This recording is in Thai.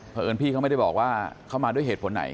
เพราะเอิญพี่เขาไม่ได้บอกว่าเข้ามาด้วยเหตุผลไหน